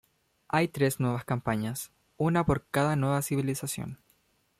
Hay tres nuevas campañas, una por cada nueva civilización.